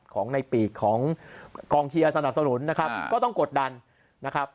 ของในปีกของกองเชียร์สนับสนุนนะครับก็ต้องกดดันนะครับ